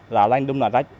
lào lanh đúng là rách